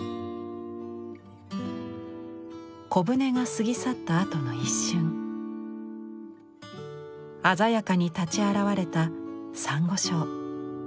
小舟が過ぎ去ったあとの一瞬鮮やかに立ち現れたサンゴ礁。